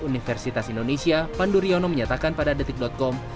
universitas indonesia panduryono menyatakan pada detik com